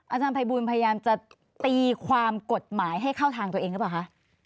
อาจารย์ภัยบูลพยายามจะตีความกฎหมายให้เข้าทางตัวเองหรือเปล่าคะ